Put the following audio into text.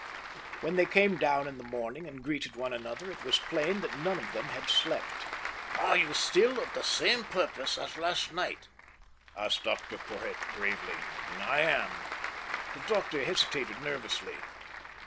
When they came down in the morning and greeted one another, it was plain that none of them had slept. "Are you still of the same purpose as last night?" asked Dr Porhoët gravely. "I am." The doctor hesitated nervously.